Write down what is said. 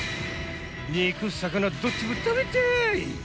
肉、魚どっちも食べたい！